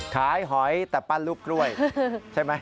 หอยแต่ปั้นลูกกล้วยใช่ไหม